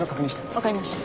分かりました。